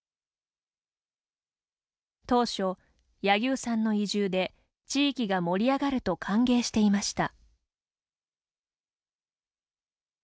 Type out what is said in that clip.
当初、柳生さんの移住で地域が盛り上がると歓迎していました。